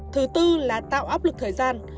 thứ tư là tạo áp lực thời gian